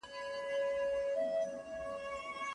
ښځو ته مي په امتياز ورکولو کي اجازه ورکوله.